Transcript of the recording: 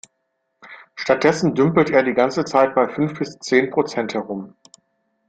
Stattdessen dümpelt er die ganze Zeit bei fünf bis zehn Prozent herum.